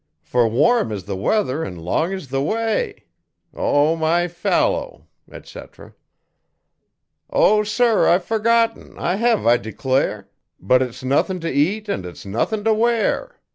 Fer warm is the weather and long is the way.' O, my fallow, etc. 'O, sir I've forgorten, I hev, I declare, But it's nothin' to eat an' its nothin' to wear.'